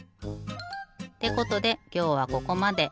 ってことできょうはここまで。